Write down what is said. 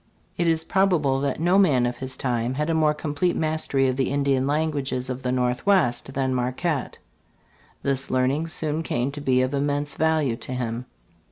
It is probable that no man of his time had a more complete mastery of the Indian languages of the Northwest than Marquette. This learning soon came to be of immense value to him.